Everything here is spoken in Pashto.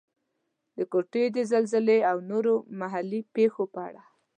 د کوټې د زلزلې او نورو محلي پېښو په اړه.